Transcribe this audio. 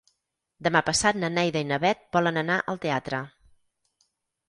Demà passat na Neida i na Bet volen anar al teatre.